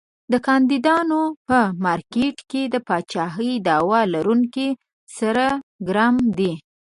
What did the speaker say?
د کاندیدانو په مارکېټ کې د پاچاهۍ دعوی لرونکي سرګرم دي.